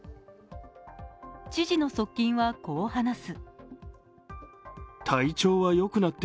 知事の側近はこう話す。